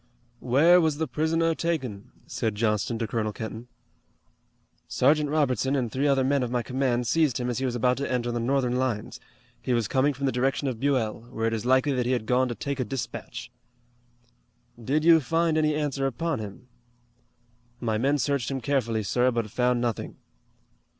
"Where was the prisoner taken?" said Johnston to Colonel Kenton. "Sergeant Robertson and three other men of my command seized him as he was about to enter the Northern lines. He was coming from the direction of Buell, where it is likely that he had gone to take a dispatch." "Did you find any answer upon him." "My men searched him carefully, sir, but found nothing."